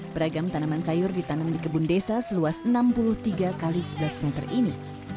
beragam tanaman sayur ditanam di kebun desa seluas enam puluh tiga x sebelas meter ini